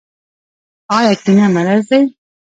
آیا کینه مرض دی؟